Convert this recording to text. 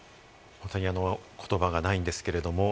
本当に言葉がないんですけれども。